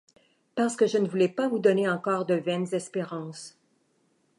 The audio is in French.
Parce que je ne voulais pas vous donner encore de vaines espérances.